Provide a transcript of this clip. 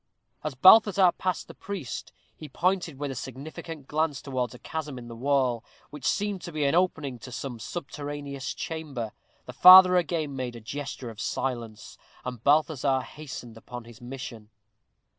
As Balthazar passed the priest, he pointed with a significant glance towards a chasm in the wall, which seemed to be an opening to some subterraneous chamber. The father again made a gesture of silence, and Balthazar hastened upon his mission.